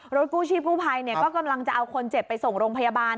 กู้ชีพกู้ภัยก็กำลังจะเอาคนเจ็บไปส่งโรงพยาบาล